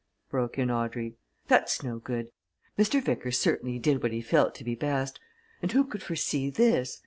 broke in Audrey. "That's no good. Mr. Vickers certainly did what he felt to be best and who could foresee this?